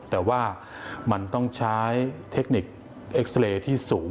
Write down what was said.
แต่ว่ามันต้องใช้เทคนิคเอ็กซาเรย์ที่สูง